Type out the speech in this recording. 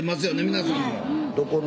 皆さんも。